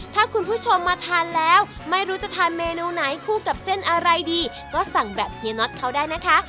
ถ้าคุณผู้ชมมาทานแล้วไม่รู้จะทานเมนูไหนคู่กับเส้นอะไรดีก็สั่งแบบเฮียน็อตเขาได้นะคะ